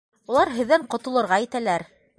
Улар һеҙҙән ҡотолорға итәләр!